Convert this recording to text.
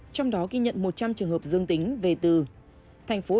trong đó ghi nhận một trăm linh trường hợp dương tính về từ